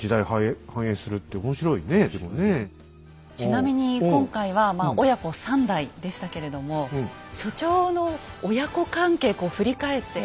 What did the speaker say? ちなみに今回は親子３代でしたけれども所長の親子関係こう振り返って。